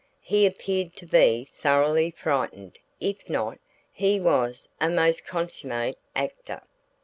He appeared to be thoroughly frightened if not, he was a most consummate actor.